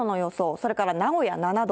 それから名古屋７度。